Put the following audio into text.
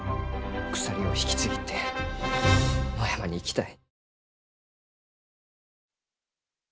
鎖を引きちぎって野山に行きたい。